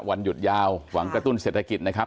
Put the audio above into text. วันหยุดยาวหวังกระตุ้นเศรษฐกิจนะครับ